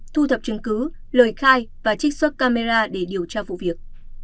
thu thập chứng cứ lời khai và trích xuất camera để điều tra vụ việc